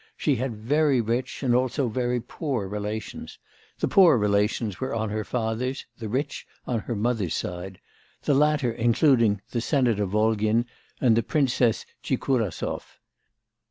She had very rich and also very poor relations; the poor relations were on her father's, the rich on her mother's side; the latter including the senator Volgin and the Princes Tchikurasov.